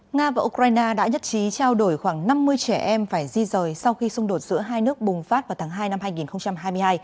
nga và ukraine đã nhất trí trao đổi khoảng năm mươi trẻ em phải di rời sau khi xung đột giữa hai nước bùng phát vào tháng hai năm hai nghìn hai mươi hai